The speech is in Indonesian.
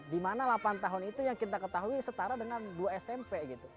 di mana delapan tahun itu yang kita ketahui setara dengan dua smp